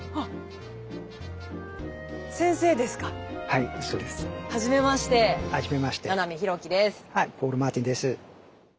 はいポール・マーティンです。